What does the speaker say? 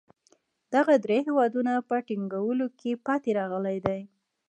دغه درې هېوادونه په ټینګولو کې پاتې راغلي دي.